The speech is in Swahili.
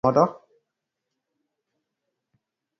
Weka kwenye maji ya moto